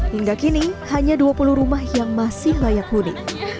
hingga kini hanya dua puluh rumah yang masih layak huni